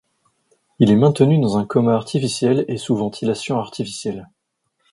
Il est maintenu dans un coma artificiel et sous ventilation artificielle.